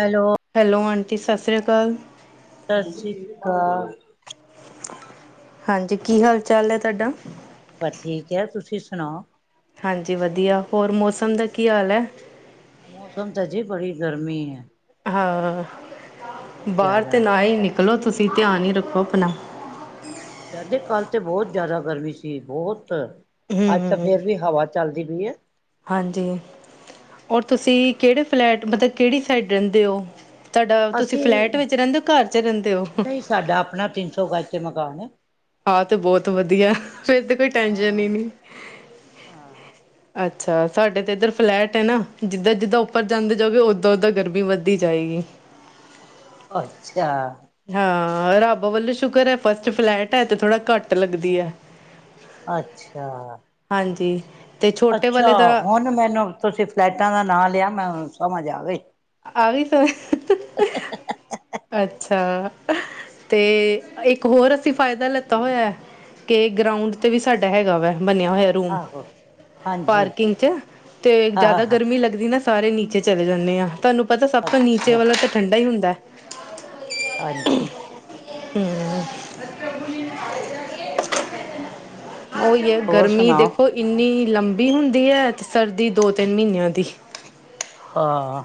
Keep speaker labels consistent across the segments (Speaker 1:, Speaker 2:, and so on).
Speaker 1: Hello.
Speaker 2: Hello aunty ਸਤਿ ਸ਼੍ਰੀ ਅਕਾਲ।
Speaker 1: ਸਤਿ ਸ਼੍ਰੀ ਅਕਾਲ।
Speaker 2: ਹਾਂਜੀ ਕੀ ਹਾਲ, ਚਾਲ ਹੈ ਤੁਹਾਡਾ।
Speaker 1: ਬਸ ਠੀਕ ਹੈ, ਤੁਸੀਂ ਸੁਣਾਓ?
Speaker 2: ਹਾਂਜੀ ਵਧੀਆ ਹੋਰ ' ਮੌਸਮ' ਦਾ ਕੀ ਹਾਲ ਹੈ।
Speaker 1: ਮੌਸਮ ਤਾਂ ਜੀ ਬੜੀ 'ਗਰਮੀ' ਹੈ।
Speaker 2: ਹਾਂ
Speaker 1: ਬਹੁਤ
Speaker 2: ਬਾਹਰ
Speaker 1: ਜ਼ਿਆਦਾ
Speaker 2: ਤਾਂ ਨਾ ਹੀ ਨਿਕਲੋ ਤੁਸੀਂ, ਧਿਆਨ ਹੀ ਰੱਖੋ। ਆਪਣਾ
Speaker 1: ਆਦੇ ਕਾਲ ਤੇ ਬਹੁਤ ਜ਼ਿਆਦਾ ਗਰਮੀ ਸੀ, ਬਹੁਤ ਅੱਜ ਤਾਂ
Speaker 2: ਹਮ
Speaker 1: ਫੇਂਰ ਵੀ ਹਵਾ ਚੱਲਦੀ ਪਈ ਹੈ।
Speaker 2: ਹਾਂਜੀ ਔਰ ਤੁਸੀਂ ਕਿਹੜੇ 'ਫਲੈਟ' ਮਤਲਬ, ਕਿਹੜੀ ਸਾਈਡ ਰਹਿੰਦੇ ਹੋ। ਤੁਹਾਡਾ ਤੁਸੀਂ
Speaker 1: ਅਸੀਂ
Speaker 2: ਫਲੈਟ ਵਿੱਚ ਰਹਿੰਦੇ ਹੋ, ਘਰ ਚ ਰਹਿੰਦੇ ਹੋ।
Speaker 1: ਨਹੀਂ ਸਾਡਾ ਆਪਣਾ ਤਿੰਨ ਸੌ ' ਗਜ਼ ਤੇ ਮਕਾਨ ਹੈ।
Speaker 2: ਆਹ ਤੇ ਬਹੁਤ ਵਧੀਆ, ਫੇਰ ਤੇ ਕੋਈ 'ਟੈਂਨਸ਼ਨ' ਹੀ
Speaker 1: ਹਾਂ
Speaker 2: ਨੀ।
Speaker 1: ਹਾਂ
Speaker 2: ਅੱਛਾ ਸਾਡੇ ਤੇ ਇੱਧਰ ਫਲੈਟ ਹੈ ਨਾ। ਜਿੱਦਾਂ, ਜਿੱਦਾਂ ਉੱਪਰ ਜਾਂਦੇ ਜਾਗੇ ਉਦਾਂ, ਉਦਾਂ ਗਰਮੀ ਵੱਧਦੀ ਜਾਏਗੀ।
Speaker 1: ਅੱਛਾ।
Speaker 2: ਹਾਂ ਰੱਬ ਵੱਲੋਂ ਸ਼ੁਕਰ ਹੈ, ਫਸ਼ਟ ਫਲੈਂਟ ਹੈ ਤੇ ਥੋੜਾ ਘੱਟ ਲੱਗਦੀ ਹੈ।
Speaker 1: ਅੱਛਾ।
Speaker 2: ਹਾਂਜੀ। ਤੇ ਛੋਟੇ
Speaker 1: ਅੱਛਾ
Speaker 2: ਵਾਲੇ ਦਾ
Speaker 1: ਹੁਣ ਮੈਨੂੰ ਤੁਸੀਂ ਫਲੈਟਾਂ ਦਾ ਨਾਂ ਲਿਆ, ਮੈਂ ਸਮਝ ਆ ਗਈ।
Speaker 2: ਆਗੀ ਸਮਝ ਅੱਛਾ, ਤੇ ਇੱਕ ਹੋਰ ਅਸੀਂ ਫਾਇਦਾ' ਲੈਤਾ ਹੋਇਆ। ਕੇ ਗਰਾਉਂਡ ਤੇ ਵੀ, ਸਾਡਾ ਹੈਗਾ ਵਾ ਬਣਿਆ ਹੋਇਆ।
Speaker 1: ਆਹੋ ਹਾਂਜੀ
Speaker 2: 'ਪਾਰਕਿੰਗ' ਚ ਤੇ
Speaker 1: ਹਾਂ
Speaker 2: ਜਿਆਦਾ
Speaker 1: ਹਾਂ
Speaker 2: ਗਰਮੀ ਲੱਗਦੀ ਨਾ। ਸਾਰੇ ਨੀਚੇ ਚਲੇ ਜਾਂਦੇ ਆਂ, ਤੁਹਾਨੂੰ ਪਤਾ ਸਭ ਤੋਂ ਨੀਚੇ
Speaker 1: ਅੱਛਾ
Speaker 2: ਵਾਲਾ ਤਾਂ ' ਠੰਢਾ' ਹੀ ਹੁੰਦਾ।
Speaker 1: ਹਾਂਜੀ।
Speaker 2: ਹਮ। [unintelligible] ਉਹੀ ਹੈ,
Speaker 1: ਹੋਰ
Speaker 2: ਗਰਮੀ
Speaker 1: ਸੁਣਾਓ
Speaker 2: ਦੇਖੋ ਇੰਨੀ ਲੰਬੀ ਹੁੰਦੀ ਹੈ ਤੇ ਸਰਦੀ ਦੋ ਤਿੰਨ ਮਹੀਨਿਆਂ ਦੀ।
Speaker 1: ਹਾ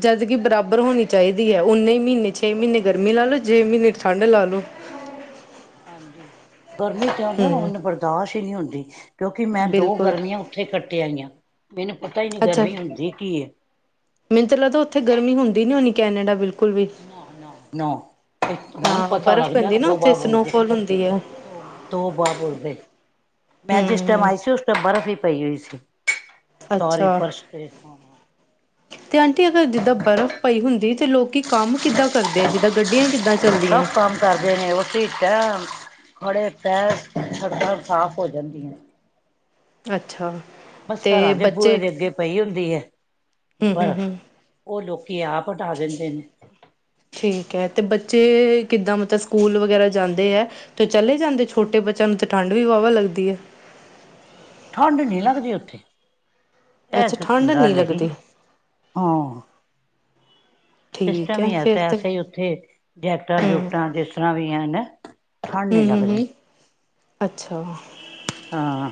Speaker 2: ਜਦਕਿ ਬਰਾਬਰ ਹੋਣੀ ਚਾਹੀਦੀ ਹੈ ਉਨੇ ਮਹੀਨੇ ਛੇ ਮਹੀਨੇ ਗਰਮੀ ਲਾ ਲੋ, ਛੇ ਮਹੀਨੇ ਠੰਢ ਲਾ ਲੋ।
Speaker 1: ਹਾਂਜੀ, ਗਰਮੀ ਜਾਦਾ
Speaker 2: ਹੂੰ
Speaker 1: ਹੁਨ ਬਰਦਾਸ਼ਤ ਹੀ ਨਹੀਂ ਹੁੰਦੀ ਕਿਉਂਕਿ ਮੈਂ ਦੋ
Speaker 2: ਬਿਲਕੁਲ
Speaker 1: ਗਰਮੀਆਂ ਉੱਥੇ ਕੱਟੇ ਆਈਆਂ ਮੈਨੂੰ ਪਤਾ ਹੀ ਨਹੀਂ
Speaker 2: ਅੱਛਾ
Speaker 1: ਗਰਮੀ ਹੁੰਦੀ ਕੀ ਏ।
Speaker 2: ਮੈਨੂੰ ਤੇ ਲਗਦਾ ਉਥੇ ਗਰਮੀ ਹੁੰਦੀ ਨੀ ਹੋਣੀ ਕੈਨੇਡਾ ਬਿਲ
Speaker 1: ਨਾ, ਨਾ, ਨਾ ਇਥੋਂ ਦਾ
Speaker 2: ਹਾਂ
Speaker 1: ਪਤਾ
Speaker 2: ਬਰਫ਼
Speaker 1: ਲੱਗਦਾ
Speaker 2: ਪੈਂਦੀ ਨਾ
Speaker 1: ਇਥੋਂ
Speaker 2: ਉੱਥੇ
Speaker 1: ਬਾਾਹਰ ਹੋ ਕੇ।
Speaker 2: ਸਨੋਫੋਲ ਹੁੰਦੀ ਹੈ
Speaker 1: ਤੋ ਬਾ ਬੋਲਦੇ। ਮੈਂ ਜਿਸ ਟਾਈਮ
Speaker 2: ਹੂੰ
Speaker 1: ਆਈ ਸੀ ਉਸ ਟਾਈਮ ਬਰਫ਼ ਹੀ ਪਈ ਹੋਈ ਸੀ। ਸੋਰੀ
Speaker 2: ਅੱਛਾ,
Speaker 1: ਫਰਸ਼ ਤੇ
Speaker 2: ਤੇ ਆਂਟੀ ਅਗਰ ਜਿੱਦਾਂ ਬਰਫ਼ ਪਈ ਹੁੰਦੀ ਤੇ ਲੋਕੀ ਕੰਮ ਕਿੱਦਾਂ ਕਰਦੇ ਆ ਜਿੱਦਾਂ ਗੱਡੀਆਂ ਕਿੱਦਾਂ
Speaker 1: ਸ
Speaker 2: ਚੱਲਦੀਆਂ
Speaker 1: ਕੰਮ [unintelligible] ਕਰਦੇ ਨੇ ਉਹ ਟ [unintelligible] [inaudible] ਖੜੇ ਪੈਰ ਚੱਦਰ ਸਾਫ ਹੋ ਜਾਂਦੀਆਂ ਨੇ
Speaker 2: ਅੱਛਾ।
Speaker 1: ਬਸ
Speaker 2: ਤੇ
Speaker 1: ਘਰਾਂ ਦੇ ਬੂਹੇ
Speaker 2: ਬੱਚੇ
Speaker 1: ਦੇ ਅੱਗੇ ਪਈ ਹੁੰਦੀ ਹੈ
Speaker 2: ਹੂੰ ਹੂੰ
Speaker 1: ਬਰਫ਼।
Speaker 2: ਹੂੰ
Speaker 1: ਉਹ ਲੋਕੀ ਆਪ ਹਟਾ ਦਿੰਦੇ ਨੇ।
Speaker 2: ਠੀਕ ਹੈ ਅਤੇ ਬੱਚੇ ਕਿੱਦਾਂ ਮਤਲਬ ਸਕੂਲ ਵਗੈਰਾ ਜਾਂਦੇ ਹੈ? ਤੇ ਚਲੇ ਜਾਂਦੇ ਛੋਟੇ ਬੱਚਿਆਂ ਨੂੰ ਤਾਂ ਠੰਢ ਵੀ ਵਾਹਵਾ ਲੱਗਦੀ ਹੈ।
Speaker 1: ਠੰਡ ਨੀ ਲੱਗਦੀ ਉੱਥੇ ਇਹ
Speaker 2: ਅੱਛਾ
Speaker 1: ਤੇ
Speaker 2: ਠੰਡ ਨਹੀਂ
Speaker 1: ਗੱਲ ਹੇਗੀ
Speaker 2: ਲੱਗਦੀ
Speaker 1: ਹਾਂ।
Speaker 2: ਠੀਕ
Speaker 1: ਸਿਸਟਮ ਹੀ
Speaker 2: ਹੈ ਫਿਰ
Speaker 1: ਐਸਾ
Speaker 2: ਤਾਂ
Speaker 1: ਐਸੇ ਹੀ ਉੱਥੇ ਜੈਕਟਾਂ,
Speaker 2: ਹੂੰ
Speaker 1: ਜੁਕਟਾਂ ਜਿਸ ਤਰ੍ਹਾਂ ਵੀ ਹਨ। ਠੰਢ
Speaker 2: ਹੁੰ,
Speaker 1: ਨਹੀਂ
Speaker 2: ਹੁੰ,
Speaker 1: ਲੱਗਦੀ
Speaker 2: ਹੁੰ ਅੱਛਾ।
Speaker 1: ਹਾਂ।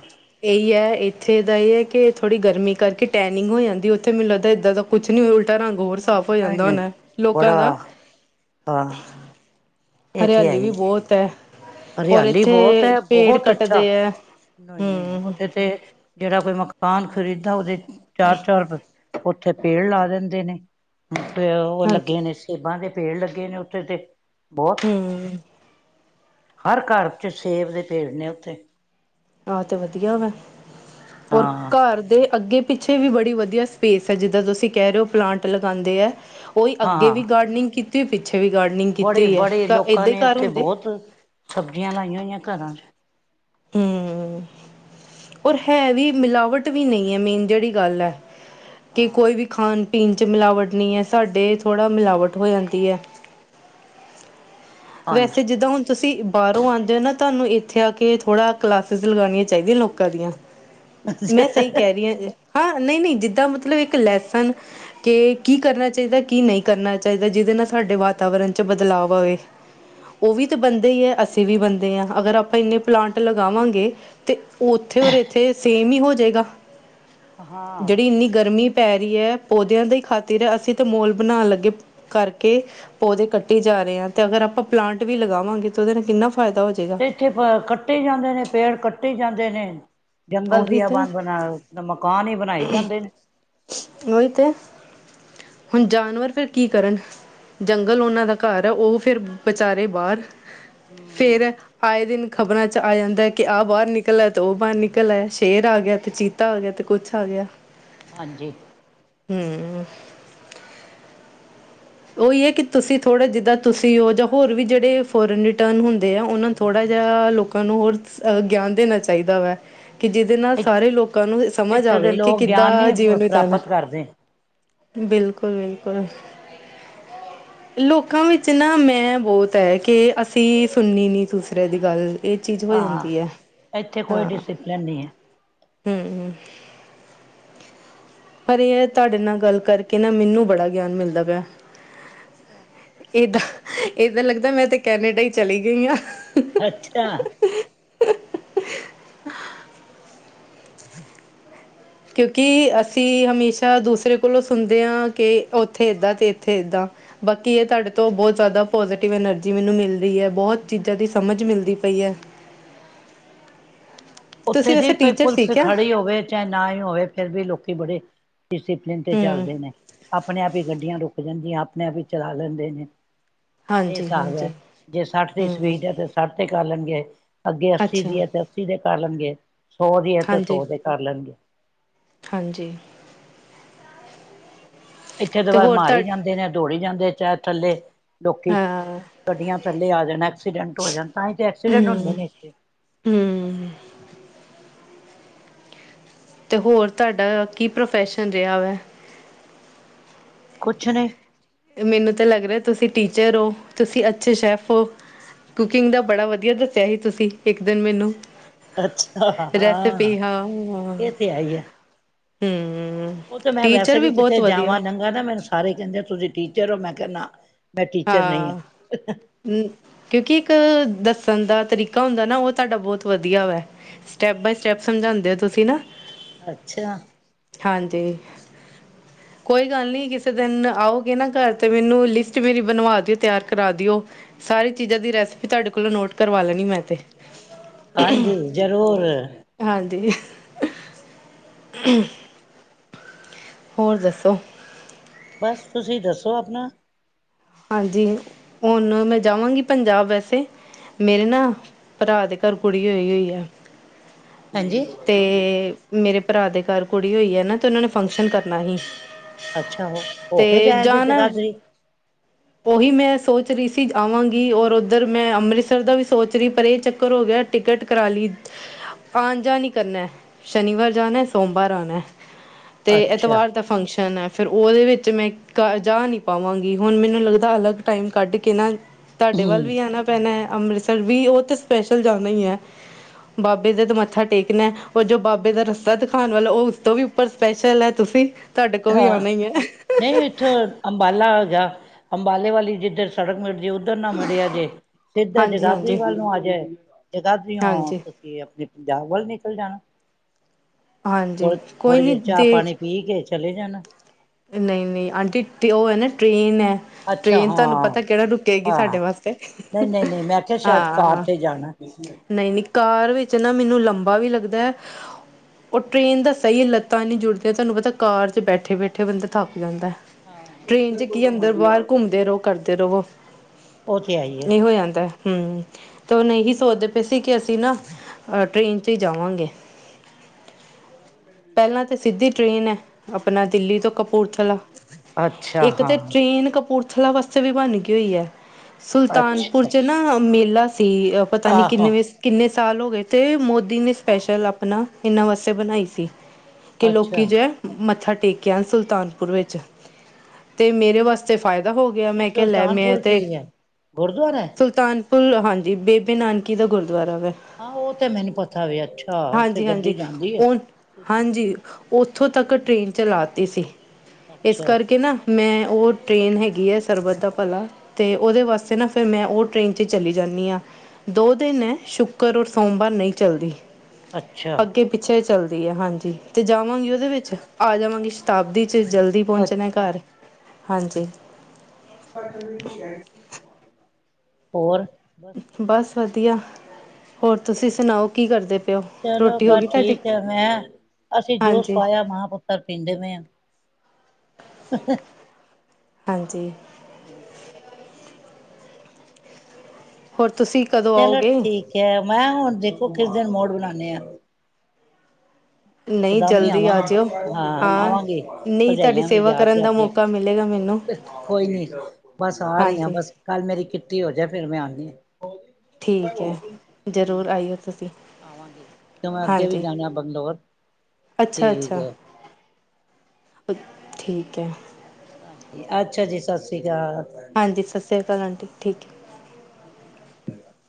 Speaker 2: ਏ ਇ ਹੈ ਇੱਥੇ ਦਾ ਇਹ ਹੈ ਕਿ ਥੋੜ੍ਹੀ ਗਰਮੀ ਕਰਕੇ ਟੈਨਿੰਗ ਹੋ ਜਾਂਦੀ ਉੱਥੇ ਮੈਨੂੰ ਲੱਗਦਾ ਇੱਦਾਂ ਦਾ ਕੁਛ ਨਹੀਂ ਉਲਟਾ ਰੰਗ ਹੋਰ ਸਾਫ਼ ਹੋ
Speaker 1: ਨਹੀਂ
Speaker 2: ਜਾਂਦਾ ਹੋਨਾ ਏ ਲੋਕਾਂ ਦਾ।
Speaker 1: ਆਹ।
Speaker 2: ਹਰਿਆਲੀ ਵੀ ਬਹੁਤ ਹੈ ਔਰ
Speaker 1: ਹਰਿਆਲੀ
Speaker 2: ਇੱਥੇ
Speaker 1: ਬਹੁਤ ਹੈ
Speaker 2: ਪੇੜ
Speaker 1: ਬਹੁਤ ਅੱਛਾ
Speaker 2: ਕੱਟਦੇ ਹੈ।
Speaker 1: ਨਹੀਂ, ਨਹੀਂ
Speaker 2: ਹੂੰ
Speaker 1: ਉੱਥੇ ਤੇ ਜਿਹੜਾ ਕੋਈ ਮ ਕਾਨ ਖ਼ਰੀਦਦਾ ਉਹਦੇ ਚਾਰ, ਚਾਰ ਉੱਥੇ ਪੇੜ ਲਾ ਦਿੰਦੇ ਨੇ। ਤੇ ਉਹ ਲੱਗੇ
Speaker 2: ਹਾਂਜੀ
Speaker 1: ਨੇ ਸੇਬਾਂ ਦੇ ਪੇੜ ਲੱਗੇ ਨੇ ਉੱਥੇ ਤੇ ਬਹੁਤ।
Speaker 2: ਹੁੰ।
Speaker 1: ਹਰ ਘਰ ਚ ਸੇਬ ਦੇ ਪੇੜ ਨੇ ਉੱਥੇ।
Speaker 2: ਆਹ ਤੇ ਵਧੀਆ ਵਾ ਔਰ
Speaker 1: ਹਾਂ
Speaker 2: ਘਰ ਦੇ ਅੱਗੇ ਪਿੱਛੇ ਵੀ ਬੜੀ ਵਧੀਆ ਸਪੇਸ ਹੈ ਜਿੱਦਾਂ ਤੁਸੀਂ ਕਹਿ ਰਹੇ ਹੋ ਪਲਾਂਟ ਲਗਾਉਂਦੇ ਐ। ਉਹੀ
Speaker 1: ਹਾਂ
Speaker 2: ਅੱਗੇ ਵੀ
Speaker 1: ਹਾਂ
Speaker 2: ਗਾਰਡਨਿੰਗ ਕੀਤੀ ਹੋਈ ਪਿੱਛੇ ਵੀ ਗਾਰਡਨਿੰਗ ਕੀਤੀ
Speaker 1: ਬੜੇ
Speaker 2: ਹੋਈ
Speaker 1: ਬੜੇ
Speaker 2: ਹੈ
Speaker 1: ਲੋਕਾਂ
Speaker 2: ਏਦੇ
Speaker 1: ਨੇ
Speaker 2: ਘਰ
Speaker 1: ਉੱਥੇ
Speaker 2: ਹੁੰਦੇ।
Speaker 1: ਬਹੁਤ ਸਬਜ਼ੀਆਂ ਲਾਈਆਂ ਹੋਈਆਂ ਘਰਾਂ ਚ।
Speaker 2: ਹੂੰ। ਔਰ ਹੈ ਵੀ ਮਿਲਾਵਟ ਵੀ ਨਹੀਂ ਹੈ ਮੇਨ ਜਿਹੜੀ ਗੱਲ ਹੈ ਕਿ
Speaker 1: ਹਾਂ
Speaker 2: ਕੋਈ ਵੀ ਖਾਣ ਪੀਣ ਚ ਮਿਲਾਵਟ ਨਹੀਂ ਹੈ ਸਾਡੇ ਥੋੜ੍ਹਾ ਮਿਲਾਵਟ ਹੋ ਜਾਂਦੀ ਹੈ। ਵੈਸੇ
Speaker 1: ਹਾਂਜੀ
Speaker 2: ਜਿੱਦਾਂ ਹੁਣ ਤੁਸੀਂ ਬਾਹਰੋਂ ਆਉਂਦੇ ਹੋ ਨਾ ਤੁਹਾਨੂੰ ਇੱਥੇ ਆ ਕੇ ਥੋੜ੍ਹਾ ਕਲਾਸਿਸ ਲਗਾਉਣੀਆਂ ਚਾਹੀਦੀਆਂ ਲੋਕਾਂ ਦੀਆਂ ਮੈਂ ਸਹੀ ਕਹਿ ਰਹੀ ਹਾਂ ਹਾਂ ਨਹੀਂ, ਨਹੀਂ ਜਿੱਦਾਂ ਮਤਲਬ ਇੱਕ ਲੈਸਨ ਕਿ ਕੀ ਕਰਨਾ ਚਾਹੀਦਾ ਕੀ ਨਹੀਂ ਕਰਨਾ ਚਾਹੀਦਾ ਜਿਹਦੇ ਨਾਲ ਸਾਡੇ ਵਾਤਾਵਰਨ ਚ ਬਦਲਾਵ ਆਵੇ? ਉਹ ਵੀ ਤਾਂ ਬੰਦੇ ਹੀ ਹੈ, ਅਸੀਂ ਵੀ ਬੰਦੇ ਹਾਂ ਅਗਰ ਆਪਾਂ ਇੰਨੇ ਪਲਾਂਟ ਲਗਾਵਾਂਗੇ ਤੇ ਉੱਥੇ ਔਰ ਇੱਥੇ ਸੇਮ ਹੀ ਹੋ ਜਾਏਗਾ।
Speaker 1: ਹਾਂ
Speaker 2: ਜਿਹੜੀ ਇੰਨੀ ਗਰਮੀ ਪੈ ਰਹੀ ਹੈ ਪੌਦਿਆਂ ਦੀ ਹੀ ਖਾਤਰ ਹੈ ਅਸੀਂ ਤਾਂ ਮੋਲ ਬਣਾਉਣ ਲੱਗੇ ਕਰਕੇ ਪੌਦੇ ਕੱਟੀ ਜਾ ਰਹੇ ਆ ਤੇ ਅਗਰ ਆਪਾਂ ਪਲਾਂਟ ਵੀ ਲਗਾਵਾਂਗੇ ਤਾਂ ਉਹਦੇ ਨਾਲ ਕਿੰਨਾ ਫਾਇਦਾ ਹੋ ਜਾ
Speaker 1: ਤੇ ਇੱਥੇ ਕੱਟੀ ਜਾਂਦੇ ਨੇ, ਪੇੜ ਕੱਟੀ ਜਾਂਦੇ ਨੇ ਜੰਗਲ
Speaker 2: ਉਹੀ
Speaker 1: ਬਿਆ
Speaker 2: ਤਾਂ
Speaker 1: ਬਾਨ ਬਣਾਓ। ਨ ਮਕਾਨ ਹੀ ਬਣਾਏ ਜਾਂਦੇ ਨੇ।
Speaker 2: ਓਹੀ ਤੋ ਹੁਣ ਜਾਨਵਰ ਫੇਰ ਕੀ ਕਰਨ? ਜੰਗਲ ਉਹਨਾਂ ਦਾ ਘਰ ਆ ਉਹ ਫਿਰ ਵਿਚਾਰੇ ਬਾਹਰ, ਫਿਰ
Speaker 1: ਹੂੰ
Speaker 2: ਆਏ ਦਿਨ ਖ਼ਬਰਾਂ ਚ ਆ ਜਾਂਦਾ ਐ ਕਿ ਆਹ ਬਾਹਰ ਨਿਕਲ ਲਿਆ ਤੇ ਉਹ ਬਾਹਰ ਨਿਕਲ ਲਿਆ ਸ਼ੇਰ ਆ ਗਿਆ ਤੇ ਚੀਤਾ ਆ ਗਿਆ ਤੇ ਕੁਛ ਆ ਗਿਆ।
Speaker 1: ਹਾਂਜੀ।
Speaker 2: ਹਮ। ਉਈ ਐ ਕਿ ਤੁਸੀਂ ਥੋੜ੍ਹਾ ਜਿੱਦਾਂ ਤੁਸੀਂ ਓ, ਜਾਂ ਹੋਰ ਵੀ ਜਿਹੜੇ ਫੋਰਨ ਰਿਟਰਨ ਹੁੰਦੇ ਆ ਉਹਨਾਂ ਥੋੜ੍ਹਾ ਜਿਹਾ, ਲੋਕਾਂ ਨੂੰ ਹੋਰ ਗਿਆਨ ਦੇਣਾ ਚਾਈਦਾ ਵਾ, ਕਿ ਜਿ ਜਿਨਾ ਸਾਰੇ ਲੋਕਾਂ ਨੂੰ ਸਮਝ
Speaker 1: ਇੱਥੇ ਦੇ
Speaker 2: ਆਵੇ ਕਿ
Speaker 1: ਲੋਕ ਗਿਆਨ
Speaker 2: ਕਿੱਦਾਂ,
Speaker 1: ਨਹੀਂ
Speaker 2: ਜੀਵਨ ਬਿਤਾਣਾ।
Speaker 1: ਪ੍ਰਾਪਤ ਕਰਦੇ
Speaker 2: ਬਿਲਕੁਲ-ਬਿਲਕੁਲ। ਹ [inaudible] ਲੋਕਾਂ ਵਿੱਚ ਨਾ, ਮੈਂ ਬਹੁਤ ਐ ਕਿ ਅਸੀਂ ਸੁਣਨੀ ਨ‌ਈਂ ਦੂਸਰੇ ਦੀ ਗੱਲ। ਇਹ ਚੀਜ਼ ਹੋ
Speaker 1: ਹਾਂ
Speaker 2: ਜਾਂਦੀ ਐ।
Speaker 1: ਇੱਥੇ ਕੋਈ
Speaker 2: ਹਾਂ,
Speaker 1: ਡਿਸਿਪਲਿਨ ਨਹੀਂ ਹੈ
Speaker 2: ਹਮ। ਪਰ ਏ ਆ ਤੁਹਾਡੇ ਨਾਲ ਗੱਲ ਕਰਕੇ ਨਾ, ਮਿਨੂੰ ਬੜਾ ਗਿਆਨ ਮਿਲਦਾ ਪਿਆ। ਏਦਾਂ-ਏਦਾਂ ਲੱਗਦਾ, ਮੈਂ ਤੇ ਕੈਨੇਡਾ ਈ ਚਲੀ ਗਈ ਆ।
Speaker 1: ਅੱਛਾ।
Speaker 2: ਕਿਉਂਕਿ ਅਸੀਂ ਹਮੇਸ਼ਾ ਦੂਸਰੇ ਕੋਲੋਂ ਸੁਣਦੇ ਆ, ਕਿ ਉੱਥੇ ਇੱਦਾਂ ਤੇ ਇੱਥੇ ਇੱਦਾਂ। ਬਾਕੀ ਇਹ ਤੁਹਾਡੇ ਤੋਂ ਬਹੁਤ ਜ਼ਿਆਦਾ ਪੋਜੀਟਿਵ ਐਨਰਜੀ ਮੈਨੂੰ ਮਿਲ ਰ‌‌ੀ ਐ। ਬਹੁਤ ਚੀਜ਼ਾਂ ਦੀ ਸਮਝ ਮਿਲਦੀ ਪਈ ਐ।
Speaker 1: ਉੱਥੇ
Speaker 2: ਤੁਸੀਂ
Speaker 1: ਜੀ,
Speaker 2: ਵੈਸੇ
Speaker 1: ਕੋਈ
Speaker 2: ਟੀਚਰ
Speaker 1: ਪੁਲਿਸ
Speaker 2: ਸੀ ਕਿਆ
Speaker 1: ਖੜੀ ਹੋਵੇ। ਚਾਏ ਨਾ ਈ ਹੋਵੇ, ਫਿਰ ਵੀ ਲੋਕੀ ਬੜੇ ਡਿਸਪਲਨ ਤੇ
Speaker 2: ਹਮ
Speaker 1: ਚੱਲਦੇ ਨੇ। ਆਪਣੇ ਆਪ ਈ ਗੱਡੀਆਂ ਰੁਕ ਜਾਂਦੀਆਂ, ਆਪਣੇ ਆਪ ਈ ਚਲਾ ਲੈਂਦੇ ਨੇ। ਇਹ
Speaker 2: ਹਾਂਜੀ
Speaker 1: ਸਾਬ੍ਹ ਐ,
Speaker 2: ਹਾਂਜੀ
Speaker 1: ਜੇ ਸੱਠ ਦੀ
Speaker 2: ਹਮ
Speaker 1: ਸਪੀਡ ਐ ਤੇ ਸੱਠ ਤੇ ਕਰ ਲੈਂਦੇ, ਅੱਗੇ ਅੱਸੀ
Speaker 2: ਅੱਛਾ
Speaker 1: ਦੀ ਐ ਤੇ ਅੱਸੀ ਦੇ ਕਰ ਲੈਂਦੇ, ਸੌ ਦੀ ਐ ਤੇ
Speaker 2: ਹਾਂਜੀ
Speaker 1: ਸੌ ਤੇ ਕਰ ਲੈਂਦੇ।
Speaker 2: ਹਾਂਜੀ।
Speaker 1: ਇੱਥੇ
Speaker 2: ਤੇ
Speaker 1: ਦਵਾਰ
Speaker 2: ਹੋਰ ਤੁਹਾ
Speaker 1: ਮਾਰੀ ਜਾਂਦੇ ਨੇ, ਦੌੜੀ ਜਾਂਦੇ ਚਾਹ ਥੱਲੇ, ਲੋਕੀ
Speaker 2: ਹਾਂ
Speaker 1: ਗੱਡੀਆਂ ਥੱਲੇ ਆ ਜਾਣ ਐਕਸੀਡੈਂਟ ਹੋ ਜਾਣ ਤਾਂ ਈ ਤੇ ਐਕਸੀਡੈਂਟ ਹੁੰਦੇ ਨੇ ਇੱਥੇ
Speaker 2: ਹੂੰ ਤੇ ਹੋਰ ਤ੍ਹ‌ਾਡਾ ਕੀ ਪ੍ਰੋਫੈਸ਼ਨ ਰਿਆ ਵੇ?
Speaker 1: ਕੁਛ ਨ‌ਈ।
Speaker 2: ਮੈਨੂੰ ਤਾਂ ਲੱਗ ਰਿਆ ਤੁਸੀਂ ਟੀਚਰ ਓ, ਤੁਸੀਂ ਅੱਛੇ ਸ਼ੈੱਫ ਓ। ਕੁਕਿੰਗ ਦਾ ਬੜਾ ਵਧੀਆ ਦੱਸਿਆ ਹੀ ਤੁਸੀਂ, ਇੱਕ ਦਿਨ ਮੈਨੂੰ। ਰੈਸਪੀ ਹਾਂ, ਹੁਮ।
Speaker 1: ਇਹ ਉ ਤਾਂ ਮੈਂ ਵੈਸੇ ਵੀ ਕਿੱਥੇ ਜਾਵਾਂ, ਨੰਗਾ ਨਾ ਮੈਨੂੰ ਸਾਰੇ ਕਹਿੰਦੇ, ਤੁਸੀਂ ਟੀਚਰ ਓ ਮੈਂ ਕਿਆ ਨਾ। ਮੈਂ ਟੀਚਰ ਨਹੀਂ
Speaker 2: ਹਾਂ। ਕਿਉਂਕਿ ਇੱਕ, ਦੱਸਣ ਦਾ ਤਰੀਕਾ ਹੁੰਦਾ ਨਾ, ਉਹ ਤੁਹਾਡਾ ਬਹੁਤ ਵਧੀਆ ਵੇ। ਸਟੈਪ ਬਾਏ ਸਟੈਪ ਸਮਝਾਂਦੇ ਓ ਤੁਸੀਂ ਨਾ।
Speaker 1: ਅੱਛਾ।
Speaker 2: ਹਾਂਜੀ। ਕੋਈ ਗੱਲ ਨੀ ਕਿਸੇ ਦਿਨ ਆਓਗੇ ਨਾ ਘਰ ਤੇ ਮੈਨੂੰ ਲਿ ਮੇਰੀ ਬਣਵਾ ਦਿਓ ਤਿਆਰ ਕਰਾ ਦਿਓ, ਸਾਰੀ ਚੀਜ਼ਾਂ ਦੀ ਰੈਸਪੀ ਤੁਹਾਡੇ ਕੋਲੋਂ ਨੋਟ ਕਰਵਾ ਲੈਣੀ ਮੈਂ ਤੇ।
Speaker 1: ਹਾਂਜੀ ਜ਼ਰੂਰ
Speaker 2: ਹਾਂਜੀ। [unintelligible] ਹੋਰ ਦੱਸੋ?
Speaker 1: ਬਸ ਤੁਸੀਂ ਦੱਸੋ ਆਪਣਾ।
Speaker 2: ਹਾਂਜੀ, ਹੁਣ ਮੈਂ ਜਾਵਾਂਗੀ ਪੰਜਾਬ ਵੈਸੇ। ਮੇਰੇ ਨਾ ਭਰਾ ਦੇ ਘਰ ਕੁੜੀ ਹੋਈ-ਹੋਈ ਆ
Speaker 1: ਹਾਂਜੀ
Speaker 2: ਤੇ ਮੇਰੇ ਭਰਾ ਦੇ ਘਰ ਕੁੜੀ ਹੋਈ ਐ ਨਾ ਤੇ ਉਹਨਾਂ ਨੇ ਫੰਕਸ਼ਨ ਕਰਨਾ ਹੀ।
Speaker 1: ਅੱਛਾ, ਉਹ ਹੋ ਕੇ ਜਾਇ ਜੇ ਜਗਾਧਰੀ?
Speaker 2: ਉਹੀ ਮੈਂ ਸੋਚ ਰ‌ਈ ਸੀ ਆਵਾਂਗੀ, ਔਰ ਉੱਧਰ ਮੈਂ ਅੰਮ੍ਰਿਤਸਰ ਦਾ ਵੀ ਸੋਚ ਰ‌ਈ, ਪਰ ਇਹ ਚੱਕਰ ਹੋ ਗਿਆ ਟਿਕਟ ਕਰਾ ਲੀ। ਆਂਨ-ਜਾਣ ਈ ਕਰਨਾ ਐ। ਸ਼ਨੀਵਾਰ ਜਾਣਾਂ ਸੋਮਵਾਰ ਆਣਾਂ। ਤੇ
Speaker 1: ਅੱਛਾ
Speaker 2: ਐਤਵਾਰ ਦਾ ਫੰਕਸ਼ਨ ਹੈ, ਫਿਰ ਉਹਦੇ ਵਿੱਚ ਮੈਂ ਕ ਜਾ ਨਹੀਂ ਪਾਵਾਂਗੀ ਹੁਣ। ਲੱਗਦਾ, ਅਲੱਗ ਟਾਈਮ ਕੱਢ ਕੇ ਨਾ ਤੁਹਾਡੇ ਵੱਲ
Speaker 1: ਹਮ
Speaker 2: ਵੀ ਆਨਾ ਪੈਣਾ ਏ। ਫਿਰ ਵੀ ਉਹ ਤਾਂ ਸਪੈਸ਼ਲ ਜਾਣਾ ਹੀ ਹੈ। ਬਾਬੇ ਦੇ ਤੇ ਮੱਥਾ ਟੇਕਣਾ, ਉਹ ਜੋ ਬਾਬੇ ਦਾ ਰਸਤਾ ਦਿਖਾਉਣ ਵਾਲਾ ਉਹ ਉਸ ਤੋਂ ਵੀ। ਪਰ ਸਪੈਸ਼ਲ ਹੈ, ਤੁਸੀਂ ਤੁਹਾਡੇ ਕੋਲ ਵੀ
Speaker 1: ਹਾਂ
Speaker 2: ਆਉਣਾ ਹੀ ਹੈ।
Speaker 1: ਨਹੀਂ, ਇੱਥੋਂ ਅੰਬਾਲਾ ਜਾ ਅੰਬਾਲੇ ਵਾਲੀ ਜਿੱਧਰ ਸੜਕ ਮਿਲ ਜੇ ਉੱਧਰ ਨਾ ਮਿਲਿਆ ਜੇ। ਸਿੱਧਾ
Speaker 2: ਹਾਂਜੀ
Speaker 1: ਜਗਾਦਰੀ
Speaker 2: ਹਾਂਜੀ
Speaker 1: ਵੱਲ ਨੂੰ ਆਜਏ ਜਗਾਦਰੀ ਹੋ।
Speaker 2: ਹਾਂਜੀ
Speaker 1: ਆਪਣੇ ਪੰਜਾਬ ਵੱਲ ਨਿਕਲ ਜਾਣਾ
Speaker 2: ਹਾਂਜੀ
Speaker 1: ਥੋੜ-
Speaker 2: ਕੋਈ
Speaker 1: ਥੋੜੇ
Speaker 2: ਨਹੀਂ
Speaker 1: ਜਰ ਚਾਹ ਪਾਣੀ [inaudible] ਠੀਕ ਐ ਚਲੇ ਜਾਣਾ।
Speaker 2: ਨਹੀਂ-ਨਹੀਂ ਆਂਟੀ, ਉਹ ਹੈ ਨਾ ਟ੍ਰੇਨ ਹੈ।
Speaker 1: ਅੱਛਾ
Speaker 2: ਟ੍ਰੇਨ ਤੁਹਾਨੂੰ
Speaker 1: ਹਾਂ
Speaker 2: ਪਤਾ, ਕਿਹੜਾ ਰੁਕੇਗੀ ਸਾਡੇ
Speaker 1: ਹਾਂ
Speaker 2: ਵਾਸਤੇ
Speaker 1: ਨਹੀਂ ਨਹੀਂ ਨਹੀਂ ਮੈਂ ਕਿਹਾ ਸ਼ਾਇਦ ਕਾਰ
Speaker 2: ਹਾਂ।
Speaker 1: ਤੇ ਜਾਣਾ
Speaker 2: ਨਹੀਂ-ਨਹੀਂ ਕਾਰ ਵਿੱਚ ਨਾ ਮੈਨੂੰ ਲੰਬਾ ਵੀ ਲੱਗਦਾ ਹੈ। ਉਹ ਟ੍ਰਰੇਨ ਦਾ ਸਹੀ ਲੱਤਾਂ ਨਹੀਂ, ਜੁੜਦੀਆਂ ਤੁਹਾਨੂੰ ਪਤਾ ਕਾਰ ਚ ਬੈਠੇ। ਇਕਠੇ ਬੰਦਾ ਥਕ ਜਾਂਦਾ
Speaker 1: ਹਾਂ
Speaker 2: ਟ੍ਰੇਨ 'ਚ ਕੀ ਅੰਦਰ-ਬਾਹਰ ਘੁੰਮਦੇ ਰਹੋ ਕਰਦੇ ਰੋ।
Speaker 1: ਉਹ ਤੇ ਹੈ ਹੀ
Speaker 2: [inaudible]
Speaker 1: ਹੈ
Speaker 2: ਨਹੀਂ ਹੋ ਜਾਂਦਾ ਹ। ਹਮ, ਤੇ ਉਹ ਨਹੀਂ ਸੋਚਦੇ ਪਏ ਸੀ ਕਿ ਅਸੀਂ ਨਾ ਅ ਟ੍ਰੇਨ ਚ ਹੀ ਜਾਵਾਂਗੇ। ਪਹਿਲਾਂ ਤਾਂ ਸਿੱਧੀ ਟ੍ਰੇਨ ਹੈ, ਆਪਣਾ ਦਿੱਲੀ ਤੋਂ। ਕਪੂਰਥਲਾ,
Speaker 1: ਅੱਛਾ
Speaker 2: ਇੱਕ ਤੇ
Speaker 1: ਹਾਂ
Speaker 2: ਟ੍ਰੇਨ ਕਪੂਰਥਲਾ। ਪਥਲਾ ਵਾਸਤੇ ਵੀ ਬਣ ਗਈ ਹੋਈ ਹੈ, ਸੁਲਤਾਨਪੁਰ
Speaker 1: ਅੱਛਾ
Speaker 2: ਚ ਨਾ ਮੇਲਾ ਸੀ। ਪਤਾ ਨਹੀਂ
Speaker 1: ਆਹੋ
Speaker 2: ਕਿੰਨੇ ਵ ਕਿੰਨੇ ਸਾਲ ਹੋ ਗਏ ਅਤੇ ਮੋਦੀ ਨੇ ਸਪੈਸ਼ਲ ਆਪਣਾ ਇਹਨਾਂ ਵਾਸਤੇ ਬਣਾਈ ਸੀ ਕਿ ਲੋਕੀ
Speaker 1: ਅੱਛਾ
Speaker 2: ਜਿ ਮੱਥਾ ਗਿਆ, ਸੁਲਤਾਨਪੁਰ ਵਿੱਚ ਅਤੇ ਮੇਰੇ ਵਾਸਤੇ। ਤੇ ਫਾਇਦਾ ਹੋ ਗਿਆ,
Speaker 1: ਕੀ
Speaker 2: ਮੈਂ ਕਿਹਾ ਲੈ ਮੈਂ
Speaker 1: ਸੁਲਤਾਨਪੁਰ
Speaker 2: ਤੇ
Speaker 1: ਕੀ ਹੈ ਗੁਰਦੁਆਰਾ ਹੈ?
Speaker 2: ਸੁਲਤਾਨ। ਲ ਹਾਂਜੀ ਬੇਬੇ ਨਾਨਕੀ ਦਾ ਗੁਰਦੁਆਰਾ।
Speaker 1: ਹਾਂ ਉਹ ਤੇ ਮੈਨੂੰ ਪਤਾ ਵੀ ਅੱਛਾ, ਉੱਥੇ
Speaker 2: ਹਾਂਜੀ
Speaker 1: ਗੱਡੀ
Speaker 2: ਹਾਂਜੀ
Speaker 1: ਜਾਂਦੀ ਐ।
Speaker 2: ਉਹ ਹਾਂਜੀ ਉੱਥੋਂ ਤੱਕ ਟ੍ਰੇਨ ਚਲਾਤੀ ਸੀ, ਇਸ
Speaker 1: ਅੱਛਾ
Speaker 2: ਕਰਕੇ
Speaker 1: ਅੱਛਾ
Speaker 2: ਨਾ ਮੈਂ, ਉਹ ਟ੍ਰੇਨ ਹੈਗੀ ਹੈ ਸਰਬਤ ਦਾ ਭਲਾ। ਤੇ ਉਹਦੇ ਵਾਸਤੇ ਨਾ, ਫਿਰ ਮੈਂ ਉਹ ਟ੍ਰੇਨ ਚ ਚਲੀ ਜਾਂਦੀ ਆ। ਦੋ ਦਿਨ ਸ਼ੁੱਕਰ ਔਰ ਸੋਮਵਾਰ ਨਹੀਂ ਚੱਲਦੀ।
Speaker 1: ਅੱਛਾ
Speaker 2: ਅੱਗੇ-ਪਿੱਛੇ ਚੱਲਦੀ ਹੈ ਹਾਂਜੀ ਤੇ ਜਾਵਾਂਗੀ ਉਹਦੇ ਵਿੱਚ ਆ ਜਾਵਾਂਗੀ। ਸ਼ਤਾਬਦੀ 'ਚ ਜਲਦੀ ਪਹੁੰਚਣਾ
Speaker 1: ਅੱਛਾ
Speaker 2: ਘਰ ਹਾਂਜੀ।
Speaker 1: [unintelligible] ਹੋਰ। ਬਸ
Speaker 2: ਬਸ ਵਧੀਆ, ਹੋਰ ਤੁਸੀਂ ਸੁਣਾਓ ਕੀ ਕਰਦੇ? ਪਏ ਹੋ
Speaker 1: ਚਲੋ
Speaker 2: ਰੋਟੀ ਹੋ
Speaker 1: ਬਸ
Speaker 2: ਗਈ ਤੁਹਾਡੀ
Speaker 1: ਠੀਕ ਹੈ ਮੈਂ ਅਸੀਂ ਜੂਸ
Speaker 2: ਹਾਂਜੀ
Speaker 1: ਪਾਇਆ ਮਾਂ ਪੁੱਤਰ [inaudible] ਆਪਾਂ ਪਿੰਡ ਮੇ ਆ ਹਾਂ-ਹਾਂ।
Speaker 2: ਹਾਂਜੀ।
Speaker 1: ਹਮ [inaudible] [inaudible]
Speaker 2: ਹੋਰ, ਤੁਸੀਂ ਕਦੋਂ
Speaker 1: ਚਲੋ
Speaker 2: ਆਓਗੇ
Speaker 1: ਠੀਕ ਹੈ, ਮੈਂ ਹੁਣ ਦੇਖੋ ਕਿਸ ਦਿਨ ਮੋੜ ਬਣਾਉਂਦੇ ਆ।
Speaker 2: ਨਹੀਂ
Speaker 1: ਇਕਦਮ ਹੀ
Speaker 2: ਜਲਦੀ
Speaker 1: ਆਵਾਂ
Speaker 2: ਆ ਜਿਓ
Speaker 1: ਹਾਂ,
Speaker 2: ਹਾਂ
Speaker 1: ਆਵਾਂਗੇ
Speaker 2: ਨਹੀਂ ਤੁਹਾਡੀ
Speaker 1: ਭਰਜਾਈਆਂ ਵੀ
Speaker 2: ਸੇਵਾ
Speaker 1: ਯਾਦ
Speaker 2: ਕਰਨ ਦਾ
Speaker 1: ਰੱਖੇ।
Speaker 2: ਮੌਕਾ ਮਿਲੇਗਾ ਮੈਨੂੰ
Speaker 1: ਕੋਈ ਨੀ, ਬਸ ਆ ਰਹੀ ਹ
Speaker 2: ਹਾਂਜੀ
Speaker 1: ਬਸ ਕੱਲ ਮੇਰੀ ਕਿੱਟੀ ਹੋ ਜ ਫੇਰ ਮੈਂ ਆਉਦੀ ਹ।
Speaker 2: ਠੀਕ ਹੈ, ਜ਼ਰੂਰ ਆਈਓ ਤੁਸੀਂ।
Speaker 1: ਆਵਾਂਗੇ ਕਯੋਂ ਮੈਂ ਅੱਗੇ ਵੀ
Speaker 2: ਹਾਂਜੀ
Speaker 1: ਜਾਣਾ ਬੰਗਲੌਰ।
Speaker 2: ਅੱਛਾ-
Speaker 1: ਠੀਕ ਹੈ
Speaker 2: ਅੱਛਾ ਠੀਕ ਹੈ।
Speaker 1: ਹਾਂਜੀ, ਅੱਛਾ ਜੀ ਸਤਿ ਸ੍ਰੀ ਅਕਾਲ।
Speaker 2: ਹਾਂਜੀ, ਸਸਰੀ ਅਕਾਲ ਆਂਟੀ, ਠੀਕ ਏ।
Speaker 1: [unintelligible] [inaudible]